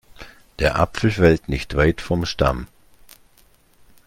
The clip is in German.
Der Apfel fällt nicht weit vom Stamm.